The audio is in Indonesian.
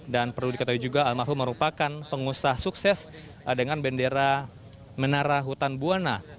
dan perlu diketahui juga almarhum merupakan pengusaha sukses dengan bendera menara hutan buana